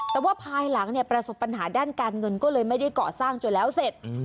แต่ว่าภายหลังเนี่ยประสบปัญหาด้านการเงินก็เลยไม่ได้เกาะสร้างจนแล้วเสร็จ